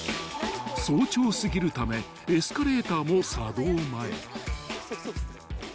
［早朝過ぎるためエスカレーターも作動前］